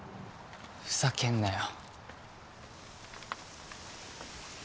ふざけんなよ